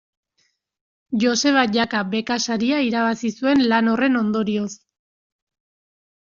Joseba Jaka beka saria irabazi zuen lan horren ondorioz.